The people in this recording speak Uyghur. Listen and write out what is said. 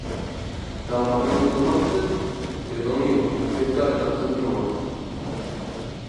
داۋامىنى يوللىمامسىز؟ كۆزۈڭنى يۇم، كۆزگە ئايلانسۇن كۆڭۈل!